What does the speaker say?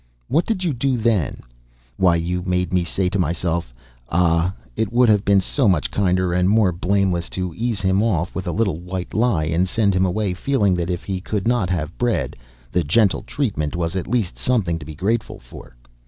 What did you do then: Why, you made me say to myself, 'Ah, it would have been so much kinder and more blameless to ease him off with a little white lie, and send him away feeling that if he could not have bread, the gentle treatment was at least something to be grateful for!'